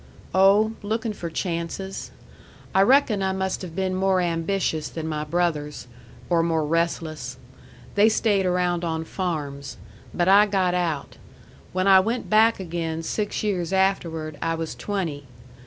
"Oh, looking for chances. I reckon I must have been more ambitious than my brothers or more restless. They stayed around on farms. But I got out. When I went back again six years afterward, I was twenty.